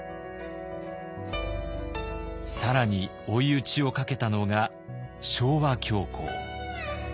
更に追い打ちをかけたのが昭和恐慌。